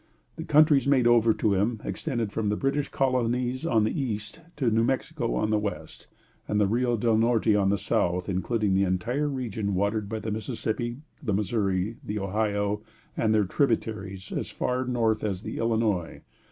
The countries made over to him extended from the British colonies on the east to New Mexico on the west, and the Rio del Norte on the south, including the entire region watered by the Mississippi, the Missouri, the Ohio, and their tributaries, as far north as the Illinois.